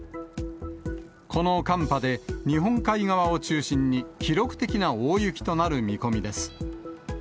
この寒波で、日本海側を中心に、記録的な大雪となる見込みです。